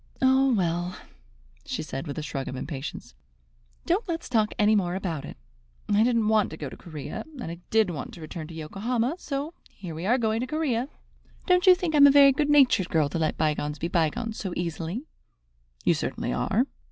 "Oh, well," she said, with a shrug of impatience, "don't let's talk any more about it. I didn't want to go to Corea, and I did want to return to Yokohama; so here we are going to Corea. Don't you think I am a very good natured girl to let bygones be bygones so easily?" "You certainly are."